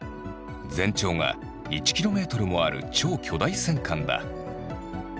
全長が１ｋｍもある超巨大戦艦だ。